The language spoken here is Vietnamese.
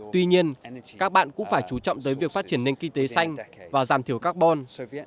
tuy nhiên các bạn cũng phải chú trọng tới việc phát triển nền kinh tế xanh và giảm thiểu carbon